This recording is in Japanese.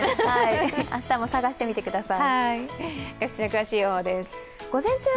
明日も探してみてください。